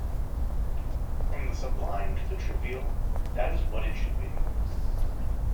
From the sublime to the trivial, that is what it should be.